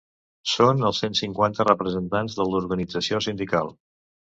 Són els cent cinquanta representants de l'Organització Sindical.